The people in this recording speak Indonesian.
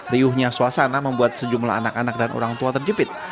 riuhnya suasana membuat sejumlah anak anak dan orang tua terjepit